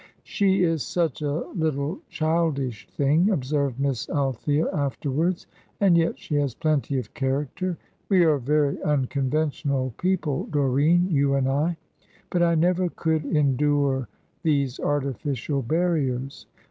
"She is such a little childish thing," observed Miss Althea afterwards; "and yet she has plenty of character. We are very unconventional people, Doreen, you and I; but I never could endure these artificial barriers.